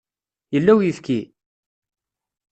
Yella uyefki?